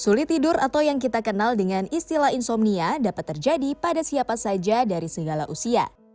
sulit tidur atau yang kita kenal dengan istilah insomnia dapat terjadi pada siapa saja dari segala usia